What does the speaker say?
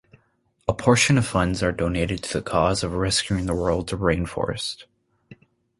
A portion of funds are donated to the cause of rescuing the world's rainforests.